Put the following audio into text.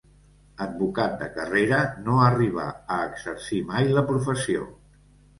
Advocat de carrera, no arribà a exercir mai la professió.